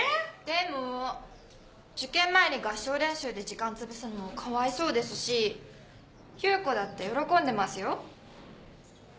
でも受験前に合唱練習で時間つぶすのもかわいそうですし優子だって喜んでますよ？